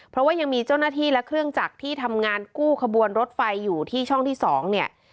เพราะว่ายังมีเจ้าหน้าที่และเครื่องจักรที่ทำงานกู้ขบวนรถไฟอยู่ที่ช่องที่๒เนี่ย